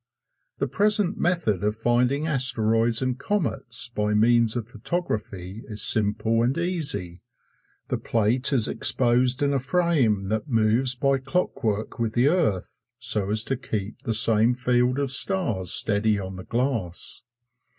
The present method of finding asteroids and comets by means of photography is simple and easy. The plate is exposed in a frame that moves by clockwork with the earth, so as to keep the same field of stars steady on the glass.